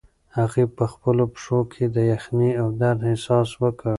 هغې په خپلو پښو کې د یخنۍ او درد احساس وکړ.